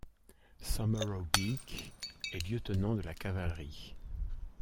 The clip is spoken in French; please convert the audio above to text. Sommerau Beeckh est lieutenant de la cavalerie.